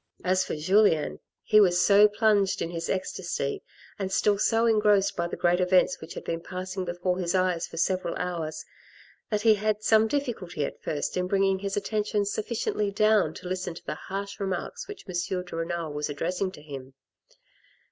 As for Julien, he was so plunged in his ecstasy, and still so engrossed by the great events which had been passing before his eyes for several hours, that he had some difficulty at first in bringing his attention sufficiently down to listen to the harsh remarks which M. de Renal was addressing to him.